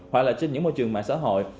hoặc là trên những môi trường mạng xã hội